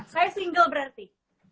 saya single berarti